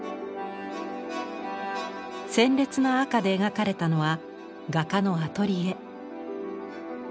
鮮烈な赤で描かれたのは画家のアトリエ。